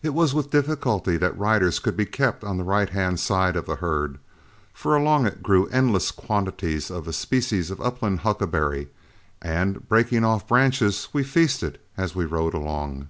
It was with difficulty that riders could be kept on the right hand side of the herd, for along it grew endless quantities of a species of upland huckleberry, and, breaking off branches, we feasted as we rode along.